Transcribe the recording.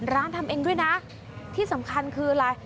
ทำเองด้วยนะที่สำคัญคืออะไร